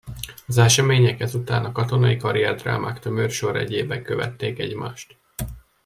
Az események ezután a katonai karrierdrámák tömör sorrendjében követték egymást.